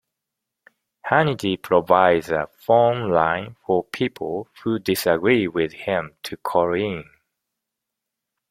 Hannity provides a phone line for people who disagree with him to call in.